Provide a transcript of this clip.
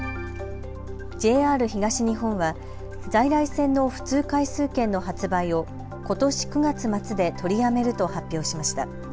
ＪＲ東日本は在来線の普通回数券の発売をことし９月末で取りやめると発表しました。